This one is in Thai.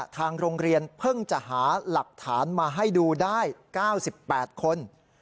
ทางโรงเรียนเพิ่งจะหาหลักฐานมาให้ดูได้๙๘คน